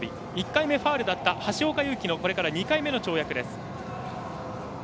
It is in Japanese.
１回目ファウルだった橋岡優輝のこれから２回目の跳躍です。